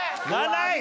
７位！